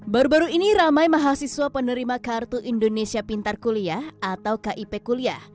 baru baru ini ramai mahasiswa penerima kartu indonesia pintar kuliah atau kip kuliah